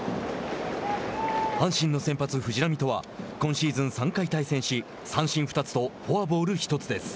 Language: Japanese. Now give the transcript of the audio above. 阪神の先発、藤浪とは今シーズン３回対戦し三振２つとフォアボール１つです。